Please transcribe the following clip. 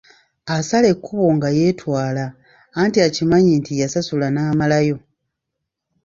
Asala ekkubo nga yeetwala anti akimanyi nti yasasula n'amalayo.